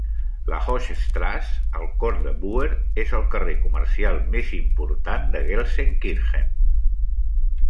La Hochstrasse, al cor de Buer, és el carrer comercial més important de Gelsenkirchen.